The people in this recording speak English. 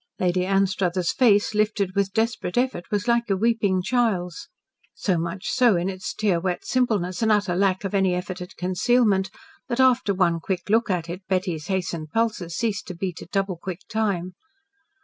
Lady Anstruthers' face, lifted with desperate effort, was like a weeping child's. So much so in its tear wet simpleness and utter lack of any effort at concealment, that after one quick look at it Betty's hastened pulses ceased to beat at double quick time.